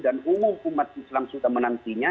dan umum umat islam sudah menantinya